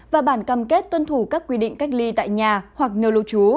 và bản cam kết tuân thủ các quy định cách ly tại nhà hoặc nơi lưu trú